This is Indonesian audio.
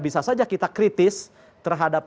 bisa saja kita kritis terhadap